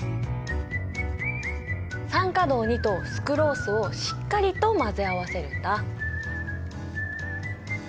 酸化銅とスクロースをしっかりと混ぜ合わせるんだ。